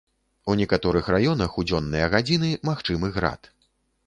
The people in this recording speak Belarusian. У некаторых раёнах у дзённыя гадзіны магчымы град.